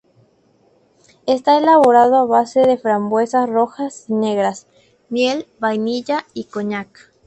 Está elaborado a base de frambuesas rojas y negras, miel, vainilla, y cognac.